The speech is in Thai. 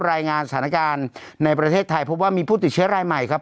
รายงานสถานการณ์ในประเทศไทยพบว่ามีผู้ติดเชื้อรายใหม่ครับ